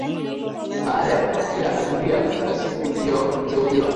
baada ya kupakia abiria katika siku iliyoteuliwa